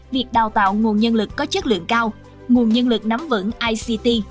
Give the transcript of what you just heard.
việc đào tạo nguồn nhân lực có chất lượng cao nguồn nhân lực nắm vững ict